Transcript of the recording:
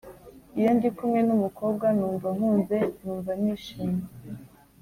Iyo ndi kumwe n’umukobwa numva nkunze numva nishimye